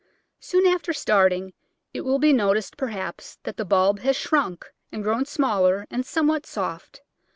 Soon after starting it will be noticed, perhaps, that the bulb has shrunk and grown smaller and somewhat soft.